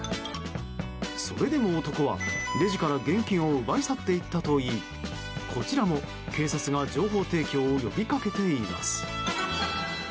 それでも男は、レジから現金を奪い去っていったといいこちらも警察が情報提供を呼び掛けています。